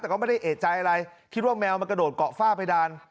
แต่ก็ไม่ได้เอกใจอะไรคิดว่าแมวมันกระโดดเกาะฝ้าเพดาน